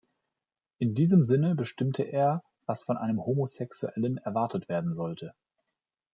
In diesem Sinne bestimmte er, «was von einem Homosexuellen erwartet werden sollte».